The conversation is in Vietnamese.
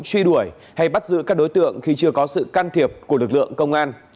truy đuổi hay bắt giữ các đối tượng khi chưa có sự can thiệp của lực lượng công an